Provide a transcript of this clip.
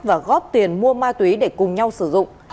và góp tiền mua ma túy để cùng nhau sử dụng